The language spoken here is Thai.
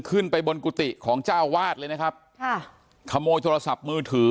ขึ้นไปบนกุฏิของเจ้าวาดเลยนะครับค่ะขโมยโทรศัพท์มือถือ